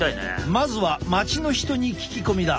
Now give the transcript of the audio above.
まずは町の人に聞き込みだ。